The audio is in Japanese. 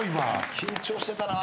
・緊張してたなぁ。